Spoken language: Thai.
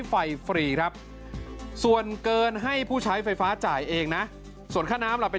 ไฟฟรีครับส่วนเกินให้ผู้ใช้ไฟฟ้าจ่ายเองนะส่วนค่าน้ำล่ะเป็น